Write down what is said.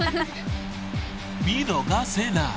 ［見逃せない］